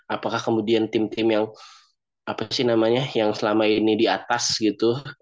apakah kemudian tim tim yang apa sih namanya yang selama ini di atas gitu